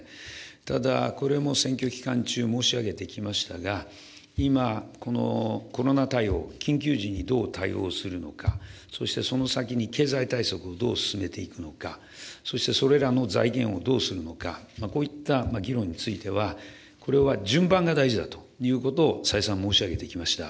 ただ、これも選挙期間中申し上げてきましたが、今、このコロナ対応、緊急時にどう対応するのか、そしてその先に経済対策をどう進めていくのか、そしてそれらの財源をどうするのか、こういった議論については、これは順番が大事だということを再三申し上げてきました。